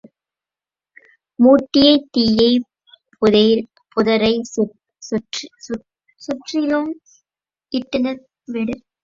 மூட்டிய தீயைப் புதரைச் சுற்றிலும் இட்டனர் வேடர்.